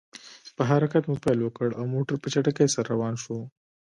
په حرکت مو پیل وکړ، او موټر په چټکۍ سره روان شو.